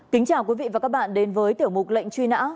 kính chào quý vị và các bạn đến với tiểu mục lệnh truy nã